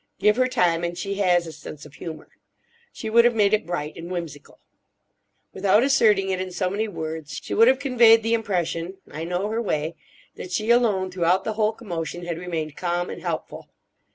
Give her time, and she has a sense of humour. She would have made it bright and whimsical. Without asserting it in so many words, she would have conveyed the impression—I know her way—that she alone, throughout the whole commotion, had remained calm and helpful.